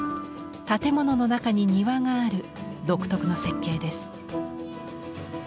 建物の中に庭がある独特の設計です。